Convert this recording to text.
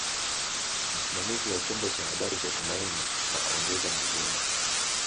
Msimamizi wa chombo cha habari cha Tumaini na ongeza hazina